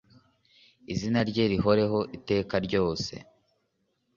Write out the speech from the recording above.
izina rye rihoreho iteka ryose